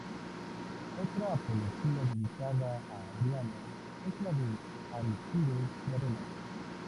Otra apología dedicada a Adriano es la de Arístides de Atenas.